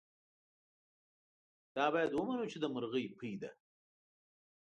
دا باید ومنو چې د مرغۍ پۍ ده.